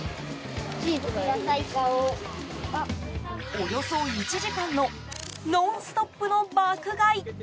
およそ１時間のノンストップの爆買い。